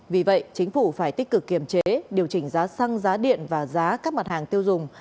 vì vậy chính phủ phải tích cực kiềm chế điều chỉnh giá xăng giá điện và giá các mặt hàng tiêu dùng